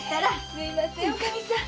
すみません